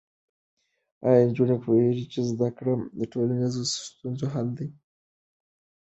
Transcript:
ایا نجونې پوهېږي چې زده کړه د ټولنیزو ستونزو حل اسانوي؟